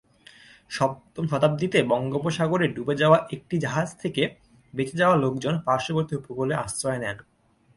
সপ্তম শতাব্দীতে বঙ্গোপসাগরে ডুবে যাওয়া একটি জাহাজ থেকে বেঁচে যাওয়া লোকজন পার্শ্ববর্তী উপকূলে আশ্রয় নেন।